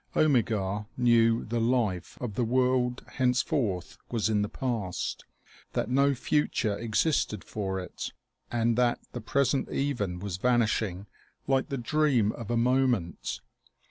Omegar knew the life of the world hence forth was in the past, that no future existed for it, and that the present even was vanishing like the dream of a moment.